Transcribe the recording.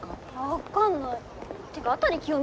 分かんない。